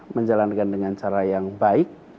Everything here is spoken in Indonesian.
menjalankan dengan cara yang baik